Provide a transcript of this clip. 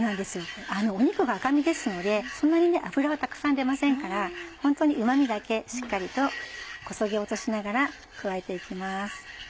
肉が赤身ですのでそんなに脂はたくさん出ませんからホントにうま味だけしっかりとこそげ落としながら加えて行きます。